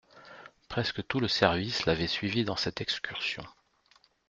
Presque tout le service l'avait suivi dans cette excursion.